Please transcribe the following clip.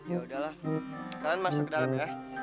ya udahlah kalian masuk ke dalam ya